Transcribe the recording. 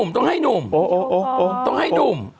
ผมต้องให้หนุ่มต้องให้หนุ่ม